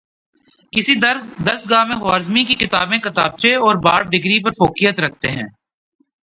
کسی درسگاہ میں خوارزمی کی کتابیں کتابچے اور باب ڈگری پر فوقیت رکھتے ہیں